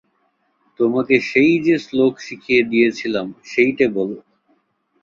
তোমাকে সেই যে শ্লোক শিখিয়ে দিয়েছিলাম সেইটে বলো।